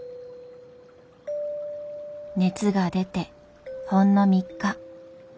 熱が出てほんの３日。